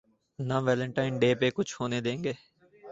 نہ Valentine day پہ کچھ ہونے دیں گے۔